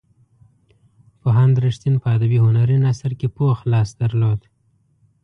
پوهاند رښتین په ادبي هنري نثر کې پوخ لاس درلود.